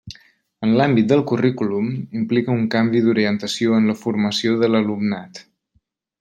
En l'àmbit del currículum implica un canvi d'orientació en la formació de l'alumnat.